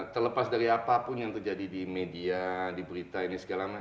terlepas dari apapun yang terjadi di media di berita ini segala macam